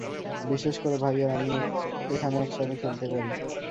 বিশেষ করে, ভাই আর আমি, এখানে একসাথে খেলতে পারি।